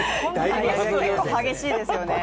結構激しいですよね。